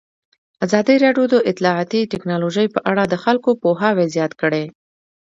ازادي راډیو د اطلاعاتی تکنالوژي په اړه د خلکو پوهاوی زیات کړی.